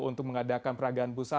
untuk mengadakan peragaan busana